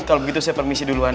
kalau begitu saya permisi duluan